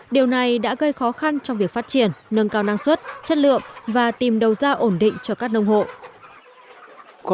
điều này đã gây khó khăn trong việc phát triển nâng cao năng suất chất lượng và tìm đầu ra ổn định cho các nông hộ